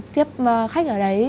tiếp khách ở đấy